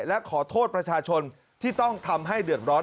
และขอโทษประชาชนที่ต้องทำให้เดือดร้อน